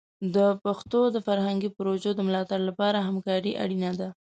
د پښتو د فرهنګي پروژو د ملاتړ لپاره همکاري اړینه ده.